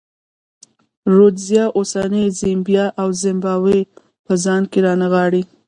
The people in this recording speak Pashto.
رودزیا اوسنۍ زیمبیا او زیمبابوې په ځان کې رانغاړي.